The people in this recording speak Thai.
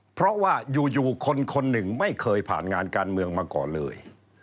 เพราะว่าอยู่คนคนหนึ่งไม่เคยผ่านงานการเมืองมาก่อนเลย